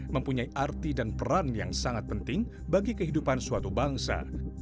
mempunyai arti dan peran yang sangat penting bagi kehidupan suatu bangsa